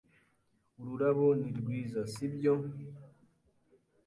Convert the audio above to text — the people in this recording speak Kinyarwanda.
Ururabo ni rwiza, sibyo?